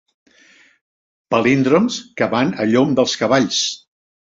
Palíndroms que van a llom dels cavalls.